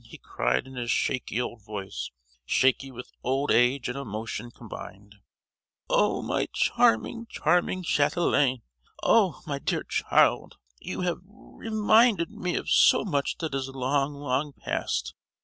he cried in his shaky old voice—shaky with old age and emotion combined. "Oh, my charming, charming chatelaine! oh, my dear child! You have re—minded me of so much that is long, long passed!